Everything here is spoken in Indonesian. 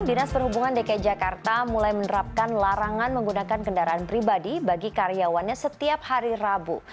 dinas perhubungan dki jakarta mulai menerapkan larangan menggunakan kendaraan pribadi bagi karyawannya setiap hari rabu